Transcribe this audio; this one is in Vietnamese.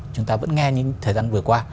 chúng ta vẫn nghe những thời gian vừa qua